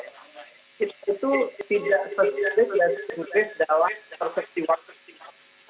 itu tidak sesuai dengan perspektif dalam perspektif waktu